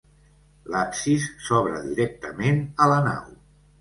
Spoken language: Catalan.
L'absis s'obre directament a la nau.